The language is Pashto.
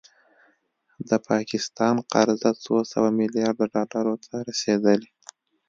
د پاکستان قرضه څو سوه میلیارده ډالرو ته رسیدلې